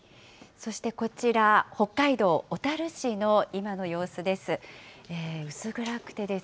そしてこちら、北海道小樽市の今の様子です。